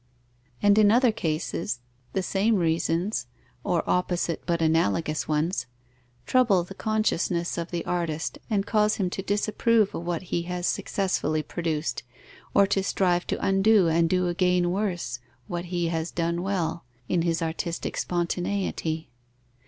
And in other cases, the same reasons, or opposite but analogous ones, trouble the consciousness of the artist, and cause him to disapprove of what he has successfully produced, or to strive to undo and do again worse, what he has done well, in his artistic spontaneity.